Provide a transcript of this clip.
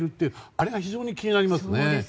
あれが非常に気になりますね。